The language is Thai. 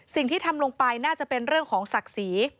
สิ่งที่ทำลงไปน่าจะเป็นเรื่องของศักดิ์ศรี